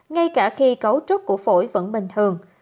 ngay cả khi cấu trúc của phổi vẫn bình thường